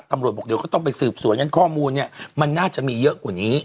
บอกเดี๋ยวก็ต้องไปสืบสวนกันข้อมูลเนี่ยมันน่าจะมีเยอะกว่านี้